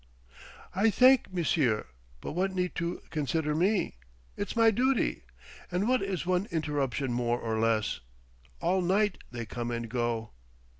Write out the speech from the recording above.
"I thank monsieur; but what need to consider me? It's my duty. And what is one interruption more or less? All night they come and go...."